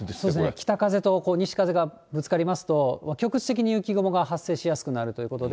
北風と西風がぶつかりますと、局地的に雪雲が発生しやすくなるということで。